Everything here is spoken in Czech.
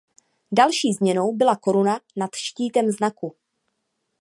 Další změnou byla koruna nad štítem znaku.